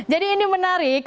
jadi ini menarik